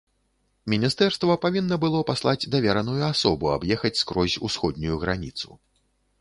Міністэрства павінна было паслаць давераную асобу аб'ехаць скрозь усходнюю граніцу.